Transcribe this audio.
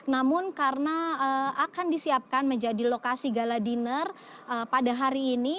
namun karena akan disiapkan menjadi lokasi gala dinner pada hari ini